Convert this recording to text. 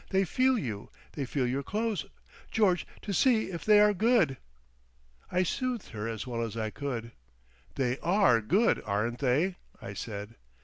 They feel you. They feel your clothes, George, to see if they are good!" I soothed her as well as I could. "They are Good aren't they?" I said.